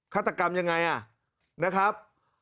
ฆาตกรรมยังไงนะครับ